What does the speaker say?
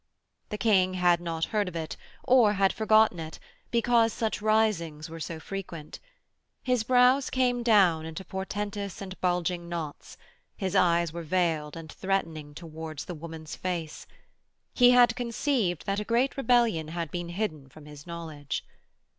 The King had not heard of it or had forgotten it, because such risings were so frequent. His brows came down into portentous and bulging knots, his eyes were veiled and threatening towards the woman's face. He had conceived that a great rebellion had been hidden from his knowledge.